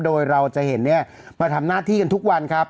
โดยเราจะเห็นมาทำหน้าที่กันทุกวันครับ